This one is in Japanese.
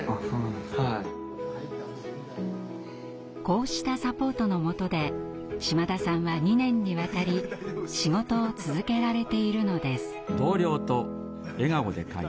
こうしたサポートのもとで島田さんは２年にわたり仕事を続けられているのです。